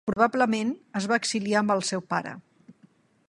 Probablement es va exiliar amb el seu pare.